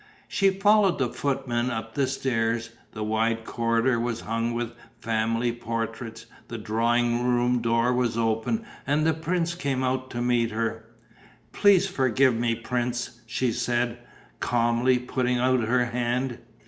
She followed the footman up the stairs. The wide corridor was hung with family portraits. The drawing room door was open and the prince came out to meet her. "Please forgive me, prince," she said, calmly, putting out her hand.